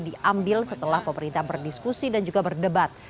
diambil setelah pemerintah berdiskusi dan juga berdebat